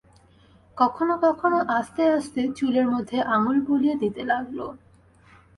কখনো কখনো আস্তে আস্তে চুলের মধ্যে আঙুল বুলিয়ে দিতে লাগল।